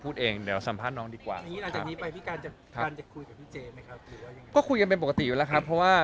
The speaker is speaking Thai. กูยังกันหว่าขึ้นไปปกติอยู่แล้วค่ะ